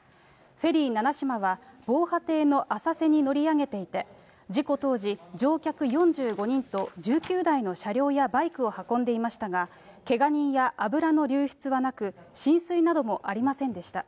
フェリーななしまは防波堤の浅瀬に乗り上げていて、事故当時、乗客４５人と１９台の車両やバイクを運んでいましたが、けが人や油の流出はなく、浸水などもありませんでした。